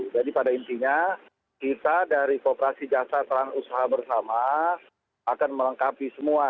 jadi pada intinya kita dari kooperasi jasa terang usaha bersama akan melengkapi semua